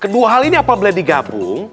kedua hal ini apabila digabung